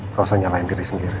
tidak usah nyalahin diri sendiri ya